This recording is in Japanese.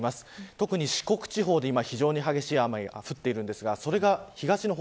特に四国地方で非常に激しい雨が降っていますがそれが東の方